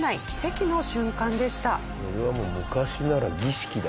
これはもう昔なら儀式だよね